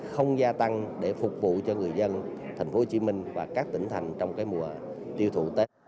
không gia tăng để phục vụ cho người dân tp hcm và các tỉnh thành trong mùa tiêu thụ tết